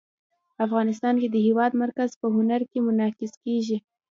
افغانستان کې د هېواد مرکز په هنر کې منعکس کېږي.